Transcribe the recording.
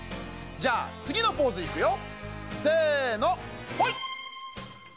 じゃあつぎのポーズいくよ。